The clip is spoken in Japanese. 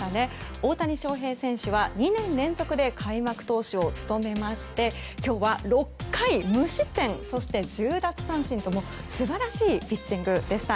大谷翔平選手は２年連続で開幕投手を務めまして今日は６回無失点そして１０奪三振と素晴らしいピッチングでした。